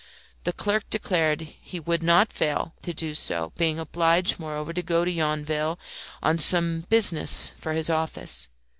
The clerk declared he would not fail to do so, being obliged, moreover, to go to Yonville on some business for his office.